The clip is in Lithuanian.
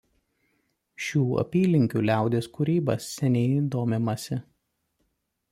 Šių apylinkių liaudies kūryba seniai domimasi.